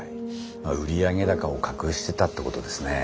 まあ売上高を隠してたってことですね。